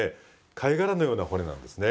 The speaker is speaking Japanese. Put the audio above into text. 貝殻のような骨なんですね。